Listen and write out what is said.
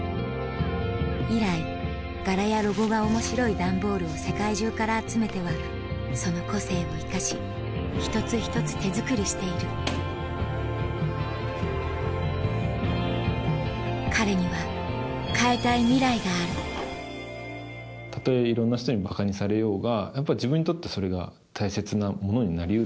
以来柄やロゴが面白い段ボールを世界中から集めてはその個性を生かし一つ一つ手作りしている彼には変えたいミライがあるたとえいろんな人にばかにされようがやっぱり自分にとってはそれが大切なものになり得る。